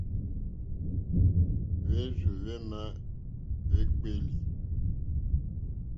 Hwérzù hwémá hwékpélí.